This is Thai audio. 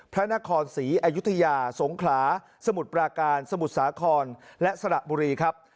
พระนครศรีอยุธยาสงขลาสมุทรปราการสมุทรสาครและสระบุรีครับ